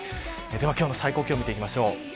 では、今日の最高気温見ていきます。